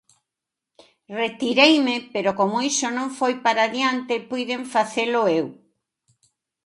Retireime, pero como iso non foi para adiante, puiden facelo eu.